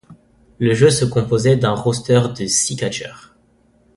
Le jeu se composait d'un roster de six catcheurs.